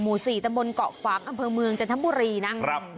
หมู่สี่ตะมนต์เกาะฟ้างอำเภอเมืองจันทบุรีน่ะครับ